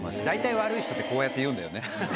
大体悪い人ってこうやって言うんだよね。